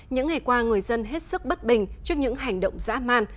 những ngày qua người dân hết sức bất bình trước những hành động dã man